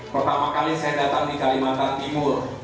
pertama kali saya datang di kalimantan timur